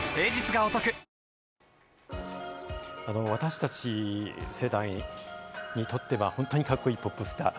私たち、世代にとっては、本当にカッコいいポップスター。